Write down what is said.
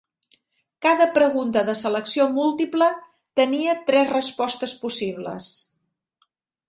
Cada pregunta de selecció múltiple tenia tres respostes possibles.